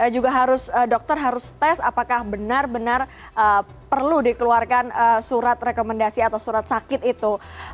juga harus dokter harus tes apakah benar benar perlu dikeluarkan surat rekomendasi atau surat sakit itu